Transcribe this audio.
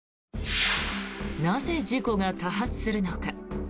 なぜ事故が多発するのか。